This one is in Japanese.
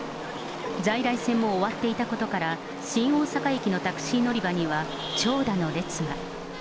在来線も終わっていたことから、新大阪駅のタクシー乗り場には長蛇の列が。